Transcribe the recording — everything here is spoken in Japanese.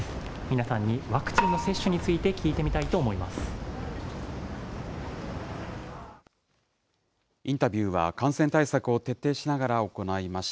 皆さんにワクチンの接種について聞いてみたいと思います。